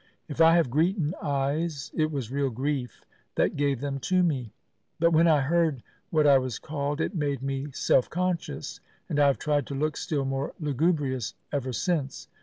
If I have greetin' eyes it was real grief that gave them to me; but when I heard what I was called it made me self conscious, and I have tried to look still more lugubrious ever since.